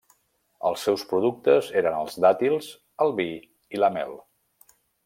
Els seus productes eren els dàtils, el vi i la mel.